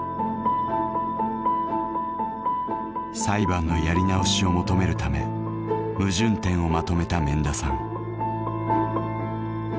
裁判のやり直しを求めるため矛盾点をまとめた免田さん。